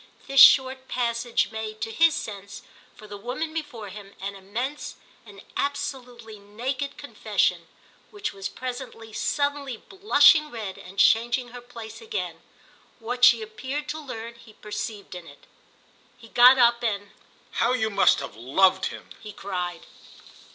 This short passage made, to his sense, for the woman before him, an immense, an absolutely naked confession; which was presently, suddenly blushing red and changing her place again, what she appeared to learn he perceived in it. He got up and "How you must have loved him!" he cried.